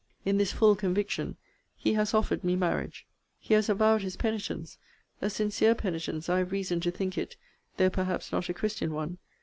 In this full conviction,] he has offered me marriage. He has avowed his penitence: a sincere penitence I have reason to think it, though perhaps not a christian one.